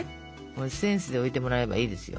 センスで置いてもらえばいいですよ。